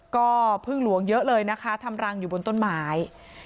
ก็พึ่งหลวงเยอะเลยนะคะทำรังอยู่บนต้นไม้